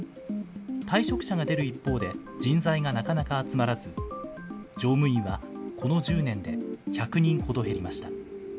退職者が出る一方で、人材がなかなか集まらず、乗務員はこの１０年で１００人ほど減りました。